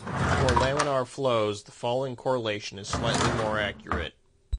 For laminar flows, the following correlation is slightly more accurate.